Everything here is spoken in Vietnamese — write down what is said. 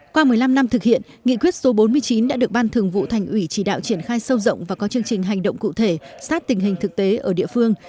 qua một mươi năm năm thực hiện nghị quyết số bốn mươi chín đã được ban thường vụ thành ủy chỉ đạo triển khai sâu rộng và có chương trình hành động cụ thể sát tình hình thực tế ở địa phương